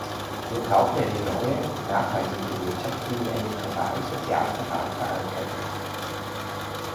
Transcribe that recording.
Wir brauchen eine neue und nachhaltige Wirtschaft, die in einem globalen Sozialvertrag verankert ist.